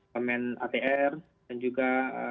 pemen atr dan juga